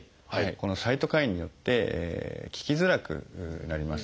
このサイトカインによって効きづらくなります。